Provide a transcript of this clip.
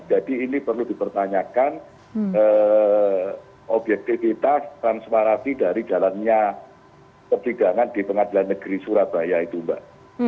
jadi ini perlu dipertanyakan objektifitas transparansi dari jalannya persidangan di pengadilan negeri surabaya itu mbak